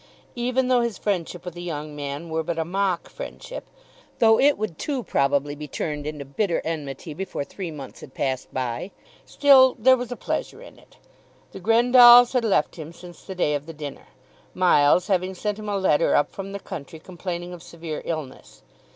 Even though his friendship with the young man were but a mock friendship, though it would too probably be turned into bitter enmity before three months had passed by, still there was a pleasure in it. The Grendalls had left him since the day of the dinner, Miles having sent him a letter up from the country complaining of severe illness.